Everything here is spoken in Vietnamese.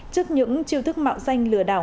trước những chiêu thức mạo danh lừa đảo